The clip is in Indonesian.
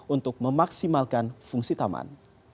untuk memaksimalkan fungsi taman